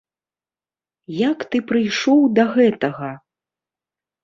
Як ты прыйшоў да гэтага?